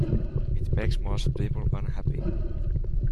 It makes most people unhappy.